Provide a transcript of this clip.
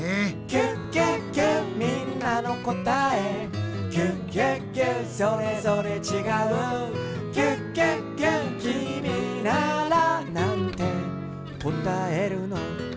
「キュキュキュみんなのこたえ」「キュキュキュそれぞれちがう」「キュキュキュきみならなんてこたえるの？」